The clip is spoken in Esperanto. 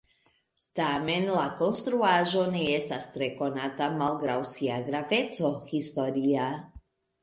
Tamen la konstruaĵo ne estas tre konata malgraŭ sia graveco historia.